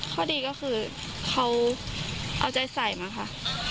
ข้อดีก็คือเขาเอาใจใส่มาค่ะ